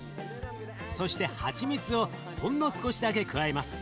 そしてはちみつをほんの少しだけ加えます。